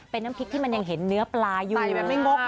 เป็นน้ำพริกที่มันยังเห็นเนื้อปลาอยู่